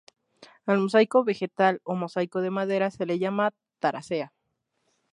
Al mosaico vegetal o mosaico de madera se le llama taracea.